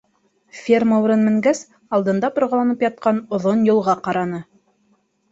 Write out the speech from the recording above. Ферма үрен менгәс, алдында борғаланып ятҡан оҙон юлға ҡараны.